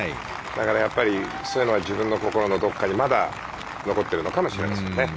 だからやっぱりそういうのが自分の心のどこかにまだ残ってるのかもしれませんね。